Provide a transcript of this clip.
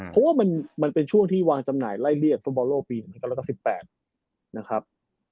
เพราะว่ามันเป็นช่วงที่วางจำหน่ายไล่เรียกฟุตบอลโลกปี๑๙๙๘นะครับ